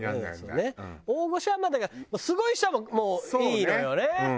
大御所はまあだからすごい人はもういいのよね。